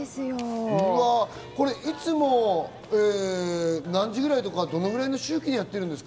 いつも何時ぐらいとか、どのくらいの周期でやってるんですか？